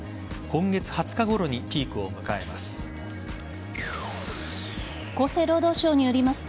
今月２０日ごろにピークを迎えます。